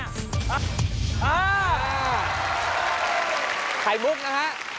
อย่างนี้น่ะ